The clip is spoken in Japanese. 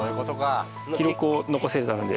記録を残せたので。